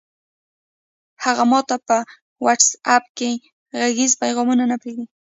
هغه ماته په وټس اپ کې غږیز پیغام نه پرېږدي!